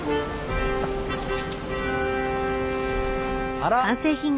あら。